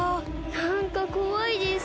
なんかこわいです。